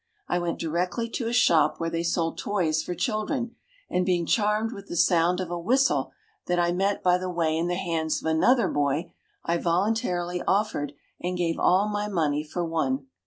I went directly to a shop where they sold toys for children, and being charmed with the sound of a whistle that I met by the way in the hands of another boy, I voluntarily offered and gave all my money for one.